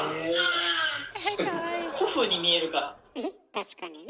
確かにね。